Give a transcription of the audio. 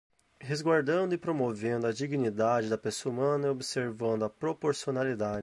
resguardando e promovendo a dignidade da pessoa humana e observando a proporcionalidade